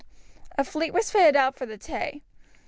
A fleet was fitted out for the Tay.